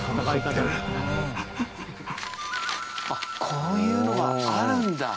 こういうのがあるんだ。